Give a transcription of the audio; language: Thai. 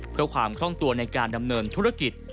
เพื่อความคล่องตัวในการดำเนินธุรกิจ